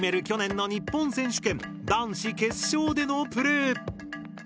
去年の日本選手権男子決勝でのプレイ。